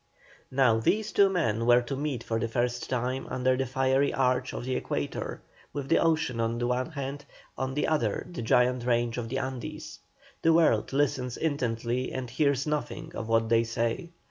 Now these two men were to meet for the first time, under the fiery arch of the Equator, with the ocean on one hand, on the other the giant range of the Andes. The world listens intently and hears nothing of what they say.